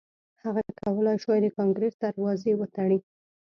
هغه کولای شوای د کانګریس دروازې وتړي.